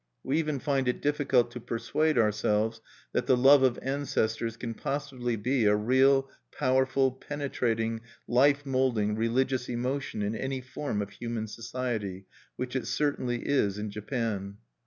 We even find it difficult to persuade ourselves that the love of ancestors can possibly be a real, powerful, penetrating, life moulding, religious emotion in any form of human society, which it certainly is in Japan.